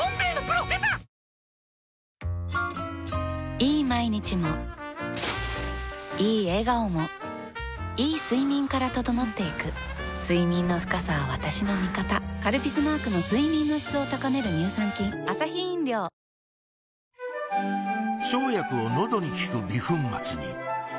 いい毎日もいい笑顔もいい睡眠から整っていく睡眠の深さは私の味方「カルピス」マークの睡眠の質を高める乳酸菌ハロー「生茶」家では淹れられないお茶のおいしさ